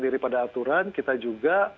diri pada aturan kita juga